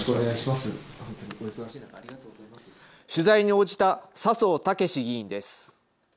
取材に応じた笹生猛議員です。